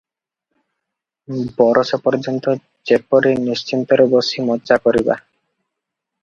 ବରଷେ ପର୍ଯ୍ୟନ୍ତ ଯେପରି ନିଶ୍ଚିନ୍ତରେ ବସି ମଜା କରିବା ।